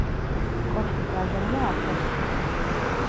კოშკის აზომვა არ ხერხდება.